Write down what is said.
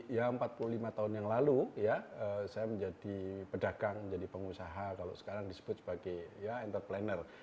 ya empat puluh lima tahun yang lalu ya saya menjadi pedagang menjadi pengusaha kalau sekarang disebut sebagai ya entrepreneur